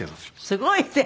すごいね。